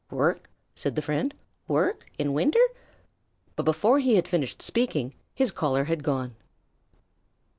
"Work?" said the friend. "Work? In winter?" But before he had finished speaking his caller had gone.